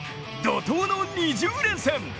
怒とうの２０連戦！